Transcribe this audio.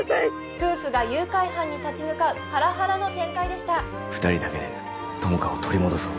夫婦が誘拐犯に立ち向かうハラハラの展開でした二人だけで友果を取り戻そう